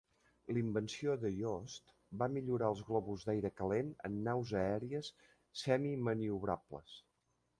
L invenció de Yost va millorar els globus d'aire calent en naus aèries semi-maniobrables.